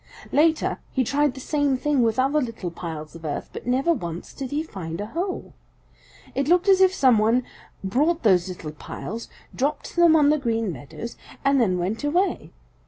Later he tried the same thing with other little piles of earth, but never once did he find a hole. It looked as if some one brought those little piles, dropped them on the Green Meadows, and then went away.